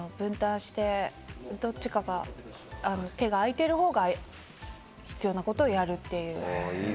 分担して、どっちかが、手があいてる方が必要なことをやるという。